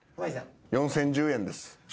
４，０１０円です。